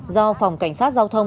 do phòng cảnh sát giao thông